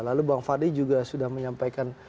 lalu bang fadli juga sudah menyampaikan